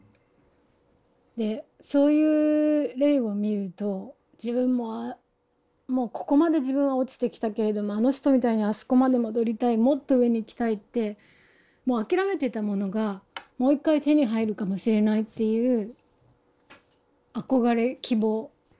でそういう例を見ると自分ももうここまで自分は落ちてきたけれどもあの人みたいにあそこまで戻りたいもっと上に行きたいってもう諦めてたものがもう一回手に入るかもしれないっていう憧れ希望。